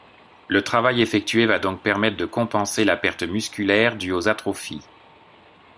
Le travail effectué va donc permettre de compenser la perte musculaire due aux atrophies.